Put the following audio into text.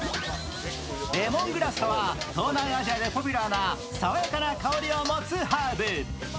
レモングラスとは、東南アジアでポピュラーな爽やかな香りを持つハーブ。